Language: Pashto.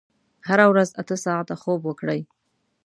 هره ورځ اته ساعته خوب وکړئ.